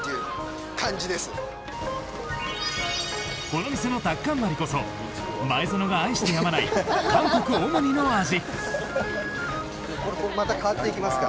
この店のタッカンマリこそ前園が愛してやまない韓国オモニの味。